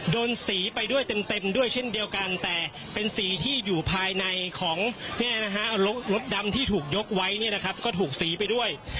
สีไปด้วยเต็มด้วยเช่นเดียวกันแต่เป็นสีที่อยู่ภายในของรถดำที่ถูกยกไว้เนี่ยนะครับก็ถูกสีไปด้วย